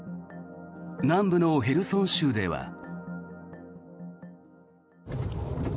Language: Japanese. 南部のヘルソン州では。